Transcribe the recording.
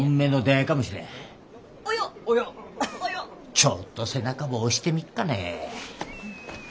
ちょっと背中ば押してみっかね。